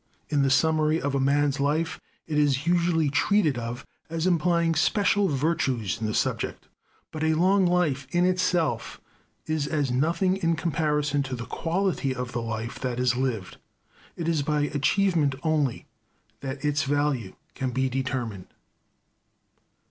In the summary of a man's life it is usually treated of as implying special virtues in the subject. But a long life in itself is as nothing in comparison to the quality of the life that is lived. It is by achievement only that its value can be determined.